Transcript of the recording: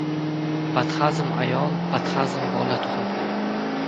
• Badhazm ayol badhazm bola tug‘adi.